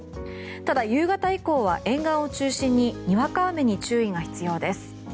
ただ、夕方以降は沿岸を中心ににわか雨に注意が必要です。